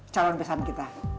calon pesan kita